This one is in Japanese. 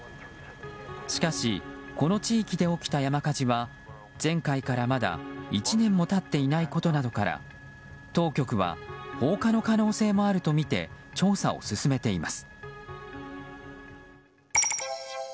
しかしこの地域で起きた山火事は前回からまだ１年も経っていないことなどから当局は放火の可能性もあるとみて調査を進めています。